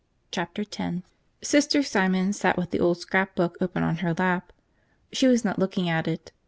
Chapter Ten SISTER SIMON sat with the old scrapbook open on her lap. She was not looking at it.